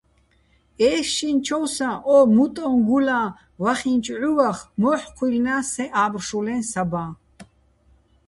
ე́შშინჩოვსა ო "მუტოჼ გულაჼ" ვახინჩო̆ ჺუვახ მო́ჰ̦ ჴუჲლლნა́ს სეჼ ა́ბრშულეჼ საბაჼ!